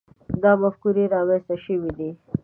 دا مفکورې رامنځته شوي دي.